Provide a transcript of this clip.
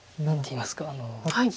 何ていいますか。